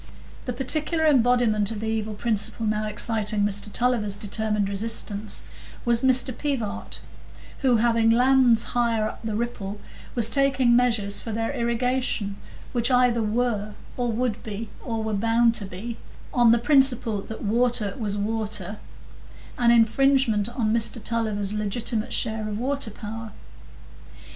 The particular embodiment of the evil principle now exciting Mr Tulliver's determined resistance was Mr Pivart, who, having lands higher up the Ripple, was taking measures for their irrigation, which either were, or would be, or were bound to be (on the principle that water was water), an infringement on Mr Tulliver's legitimate share of water power.